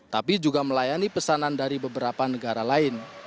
tapi juga melayani pesanan dari beberapa negara lain